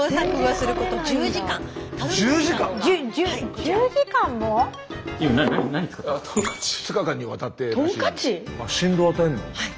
２日間にわたってらしい。